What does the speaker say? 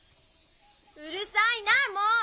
うるさいなぁもう！